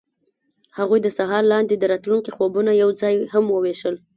هغوی د سهار لاندې د راتلونکي خوبونه یوځای هم وویشل.